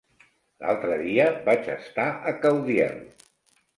L'altre dia vaig estar a Caudiel.